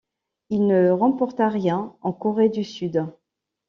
Il ne remporta rien en Corée du Sud.